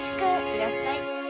いらっしゃい。